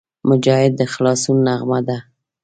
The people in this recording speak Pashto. مجاهد د خلاصون نغمه ده.